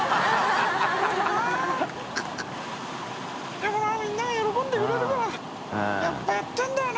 でもなみんなが喜んでくれるから笋辰やってるんだよな」